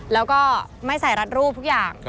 แล้วก็ไม่ใส่รัดรูปทุกอย่าง